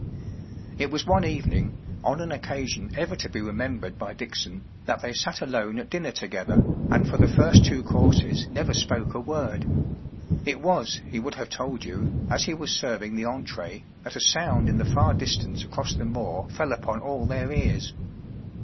It was one evening o^^n occasion ever to i 104 THE STRAND MAGAZINE. be remembered by Dickson, that they sat alone at dinner together, and for the first two courses never spoke a word. It was, he would have told you, as he was serving the entree, that a sound in the far distance across the moor fell upon all their ears.